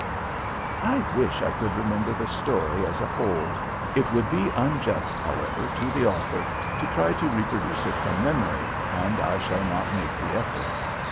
I wish I could remember the story as a whole. It would be unjust, however, to the author to try to reproduce it from memory, and I shall not make the effort.